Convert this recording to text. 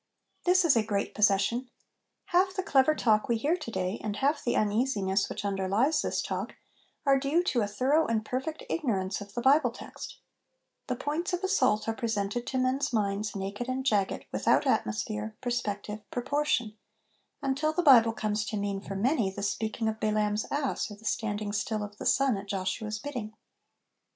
This is a great possession. Half the clever talk we hear to day, and half the uneasiness which underlies this talk, are due to a thorough and perfect ignorance of the Bible text The points of assault are presented to men's minds naked and jagged, without atmosphere, perspective, proportion ; until the Bible comes to mean for many, the speaking of Balaam's ass or the standing still of the sun at Joshua's bidding.